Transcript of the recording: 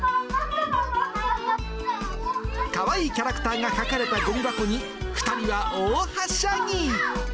かわいいキャラクターが描かれたごみ箱に、２人は大はしゃぎ。